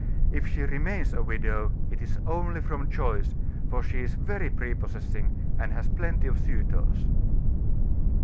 If she remains a widow, it is only from choice, for she is very prepossessing and has plenty of suitors."